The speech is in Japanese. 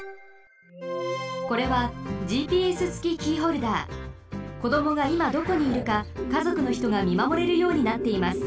これはこどもがいまどこにいるかかぞくのひとがみまもれるようになっています。